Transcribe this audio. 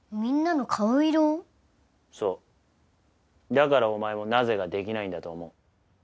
だからお前も「なぜ」ができないんだと思う。